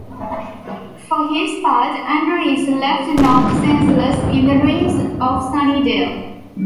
For his part, Andrew is left knocked senseless in the ruins of Sunnydale.